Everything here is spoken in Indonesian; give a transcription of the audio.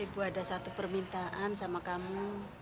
ibu ada satu permintaan sama kamu